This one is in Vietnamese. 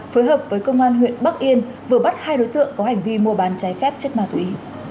phối hợp với công an huyện bắc yên vừa bắt hai đối tượng có hành vi mua bán trái phép chất ma túy